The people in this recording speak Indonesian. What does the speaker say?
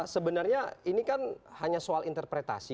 sebenarnya ini kan hanya soal interpretasi